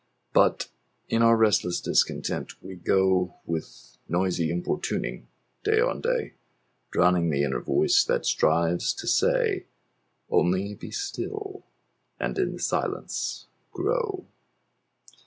But in our restless discontent we go With noisy importuning day on day— Drowning the inner voice that strives to say 'Only be still, and in the silence grow.